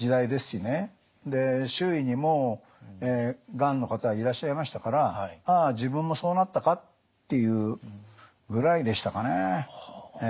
周囲にもがんの方いらっしゃいましたから「ああ自分もそうなったか」っていうぐらいでしたかね。